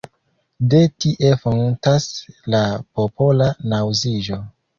De tie fontas la popola naŭziĝo.